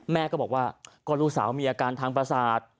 แม่ก็บอกว่าก็ลูกสาวมีอาการทางประสาท